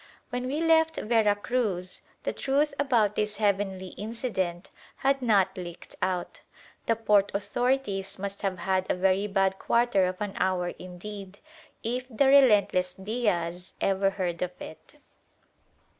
When we left Vera Cruz the truth about this heavenly incident had not leaked out. The port authorities must have had a very bad quarter of an hour indeed, if the relentless Diaz ever heard of it.